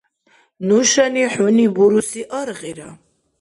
Нушани хӀуни буруси аргъира